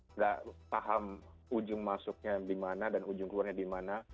tidak paham ujung masuknya di mana dan ujung keluarnya di mana